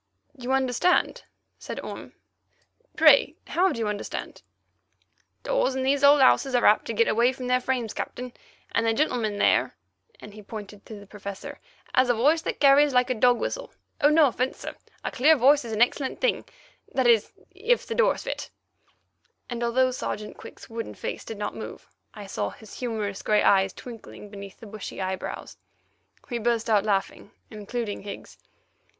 "You understand!" said Orme. "Pray, how do you understand?" "Doors in these old houses are apt to get away from their frames, Captain, and the gentleman there"—and he pointed to the Professor—"has a voice that carries like a dog whistle. Oh, no offence, sir. A clear voice is an excellent thing—that is, if the doors fit"—and although Sergeant Quick's wooden face did not move, I saw his humorous grey eyes twinkle beneath the bushy eyebrows. We burst out laughing, including Higgs.